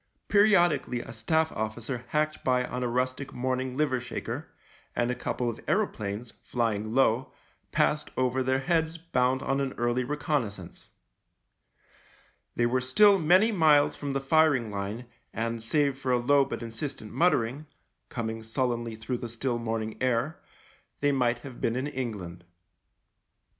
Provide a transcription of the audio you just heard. Periodic ally a Staff officer hacked by on a rustic morn ing liver shaker, and a couple of aeroplanes, flying low, passed over their heads bound on an early reconnaissance. They were still many miles from the firing line and, save for a low but insistent muttering, coming sullenly through the still morning air, they might have been in England.